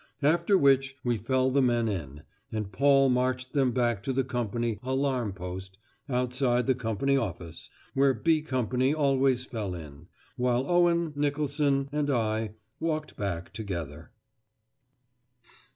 After which we fell the men in, and Paul marched them back to the company "alarm post" outside the company office, where "B" Company always fell in; while Owen, Nicolson, and I walked back together.